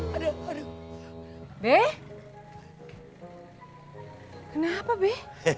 be kenapa be